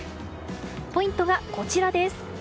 ポイントはこちらです。